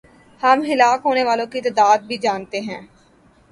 ہم ہلاک ہونے والوں کی تعداد بھی جانتے ہیں۔